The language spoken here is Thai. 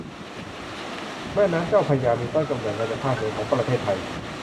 แม่น้ำเจ้าพระยา มีต้นกำเนิดมาจากภาคเหนือของประเทศไทย